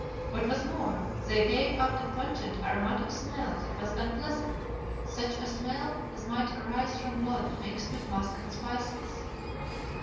What was more, they gave out a pungent, aromatic smell that was unpleasant, such a smell as might arise from blood mixed with musk and spices.